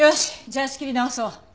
じゃあ仕切り直そう。